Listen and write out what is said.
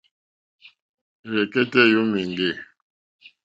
Rzɛ̀kɛ́tɛ́ yǒmà éŋɡê.